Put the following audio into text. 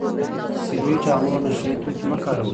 سګرټ او نور نشه يي توکي مه کاروئ.